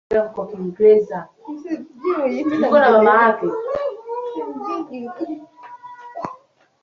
Nyuma kabla ya kumzunguka Shilton na kufunga bao